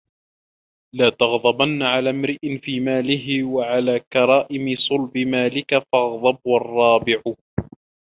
لَا تَغْضَبَنَّ عَلَى امْرِئٍ فِي مَالِهِ وَعَلَى كَرَائِمِ صُلْبِ مَالِكَ فَاغْضَبْ وَالرَّابِعُ